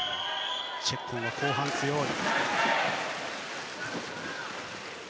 チェッコンは後半に強い。